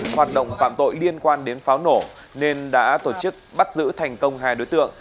hoạt động phạm tội liên quan đến pháo nổ nên đã tổ chức bắt giữ thành công hai đối tượng